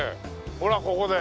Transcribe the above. ほらここで。